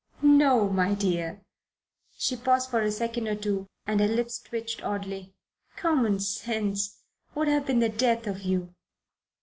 No, my dear" she paused for a second or two and her lips twitched oddly "common sense would have been the death of you."